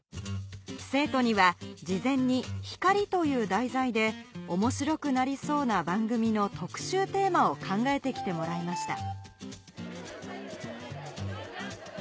生徒には事前に「光」という題材で面白くなりそうな番組の特集テーマを考えて来てもらいました